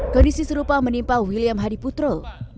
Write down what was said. kondisi serupa menimpa william hadi putro